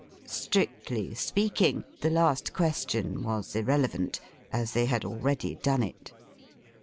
Strictly speaking, the last question was irrelevant, as they had already done it.